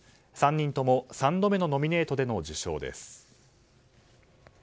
３人とも、３度目のノミネートでの受賞です。